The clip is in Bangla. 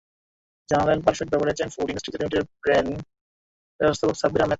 জানালেন perfect beverage and food industries লিমিটেডের গ্রুপ ব্র্যান্ড ব্যবস্থাপক সাব্বির আহমেদ।